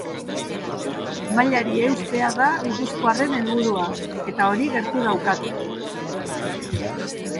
Mailari eustea da gipuzkoarren helburua, eta hori gertu daukate.